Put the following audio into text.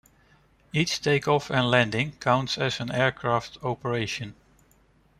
Each takeoff and landing counts as an aircraft operation.